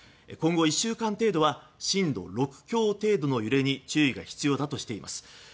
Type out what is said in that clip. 今後１週間程度は震度６強程度の揺れに注意が必要だとしています。